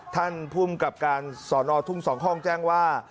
ท่านภูมิกับการสอนอทุ่ง๒ห้องแจ้งว่า